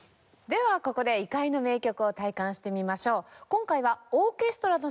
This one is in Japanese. ではここで異界の名曲を体感してみましょう。